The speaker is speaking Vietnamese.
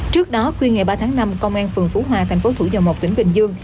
trước đó khuya ngày ba tháng năm công an phường phú hòa thành phố thủ dầu một tỉnh bình dương